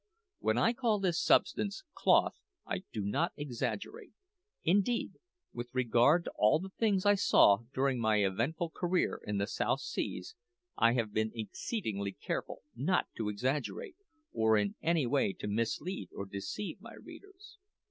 When I call this substance cloth I do not exaggerate. Indeed, with regard to all the things I saw during my eventful career in the South Seas, I have been exceedingly careful not to exaggerate, or in any way to mislead or deceive my readers.